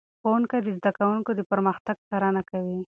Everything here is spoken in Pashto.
ښوونکي د زده کوونکو د پرمختګ څارنه کوي.